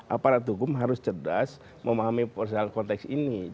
aparat hukum harus cerdas memahami konteks ini